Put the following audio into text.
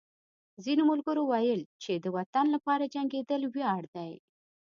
ځینو ملګرو ویل چې د وطن لپاره جنګېدل ویاړ دی